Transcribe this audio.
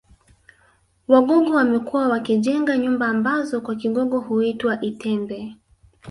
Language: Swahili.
Wagogo wamekuwa wakijenga nyumba ambazo kwa Kigogo huitwa itembe